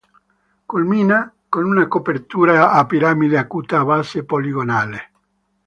Culmina con una copertura a piramide acuta a base poligonale.